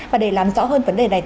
và để làm rõ hơn vấn đề này